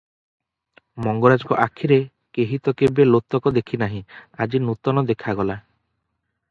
ମଙ୍ଗରାଜଙ୍କ ଆଖିରେ କେହିତ କେବେ ଲୋତକ ଦେଖିନାହିଁ, ଆଜି ନୂତନ ଦେଖାଗଲା ।